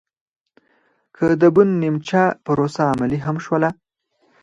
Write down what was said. که د بن نیمچه پروسه عملي هم شوله